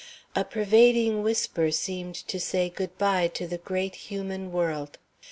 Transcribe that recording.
A pervading whisper seemed to say good by to the great human world.